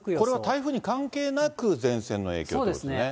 これは台風に関係なく、前線の影響ということですね。